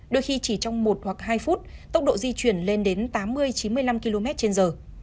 đôi khi chỉ trong một hoặc hai phút tốc độ di chuyển lên đến tám mươi chín mươi năm km trên giờ